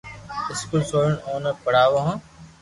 اسڪول سوڙين اوني پڙاوُ ھون